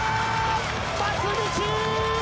松道！